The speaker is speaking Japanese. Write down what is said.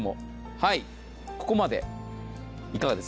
はい、ここまでいかがです？